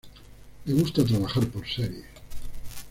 Le gusta trabajar por series.